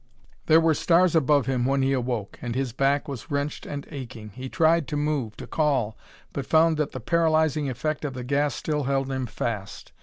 There were stars above him when he awoke, and his back was wrenched and aching. He tried to move, to call, but found that the paralysing effect of the gas still held him fast.